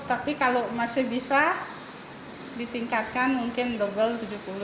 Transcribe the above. tapi kalau masih bisa ditingkatkan mungkin double tujuh puluh